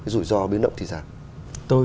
cái rủi ro biến động thì ra tôi